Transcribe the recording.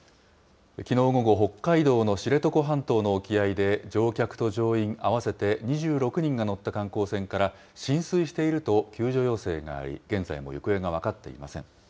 きのう午後、北海道の知床半島の沖合で乗客と乗員合わせて２６人が乗った観光船から浸水していると救助要請があり、現在も行方が分かっていません。